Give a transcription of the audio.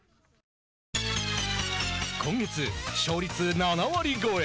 今月、勝率７割超え！